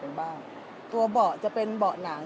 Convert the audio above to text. เดี๋ยวจะให้ดูว่าค่ายมิซูบิชิเป็นอะไรนะคะ